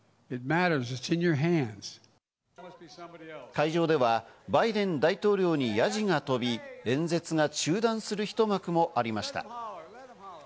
会場ではバイデン大統領にヤジが飛び、演説が中断する一幕もありました。